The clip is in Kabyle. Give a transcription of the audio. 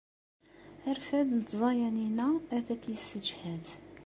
Arfad n tẓayanin-a ad k-yessejhed.